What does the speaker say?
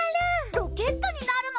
ロケットになるの？